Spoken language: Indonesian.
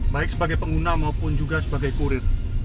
baik sebagai pengguna maupun juga sebagai kurir